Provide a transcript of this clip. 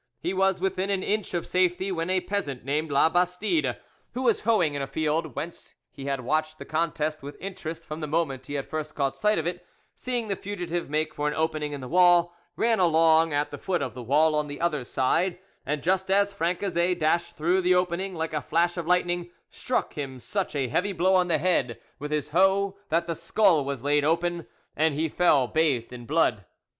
He was within an inch of safety, when a peasant named La Bastide, who was hoeing in a field, whence he had watched the contest with interest from the moment he had first caught sight of it, seeing the fugitive make for an opening in a wall, ran along at the foot of the wall on the other side, and, just as Francezet dashed through the opening like a flash of lightning, struck him such a heavy blow on the head with his hoe that the skull was laid open, and he fell bathed in blood.